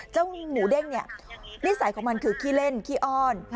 เจ้าหมูเด้งเนี่ยนิสัยของมันคือขี้เล่นขี้อ้อน